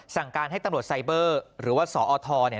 สั่งการให้ตำรวจไซเบอร์หรือว่าสอท